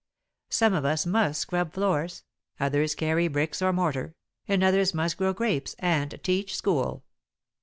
Some of us must scrub floors, others carry bricks or mortar, and others must grow grapes and teach school.